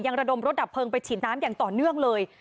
ระดมรถดับเพลิงไปฉีดน้ำอย่างต่อเนื่องเลย